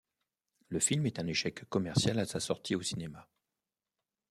Le film est un échec commercial à sa sortie au cinéma.